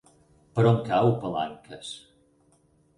Per on cau Palanques?